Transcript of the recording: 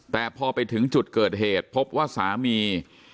แต่พอไปถึงจุดเกิดเหตุพบว่าสามี